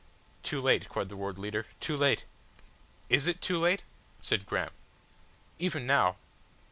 "Too late," cried the Ward Leader, "too late." "Is it too late?" said Graham. "Even now